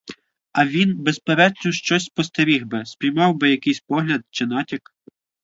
А він, безперечно, щось постеріг би, спіймав би якийсь погляд чи натяк.